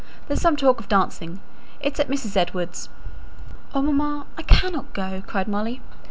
There's some talk of dancing, it's at Mrs. Edwards'." "Oh, mamma, I cannot go!" cried Molly.